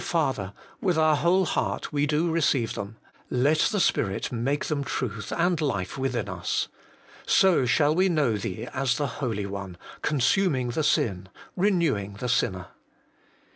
Father ! with our whole heart we do HOLINESS AND TRUTH. 149 receive them ; let the Spirit make them truth and life within us. So shall we know Thee as the Holy One, consuming the sin, renewing the sinner.